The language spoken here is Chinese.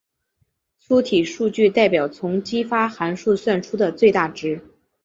粗体数据代表从激发函数算出的最大值。